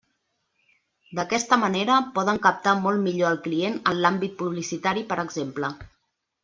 D’aquesta manera poden captar molt millor al client en l’àmbit publicitari per exemple.